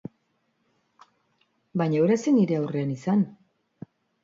Baina hura ez zen nire aurrean izan.